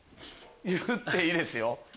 言っていいですよ。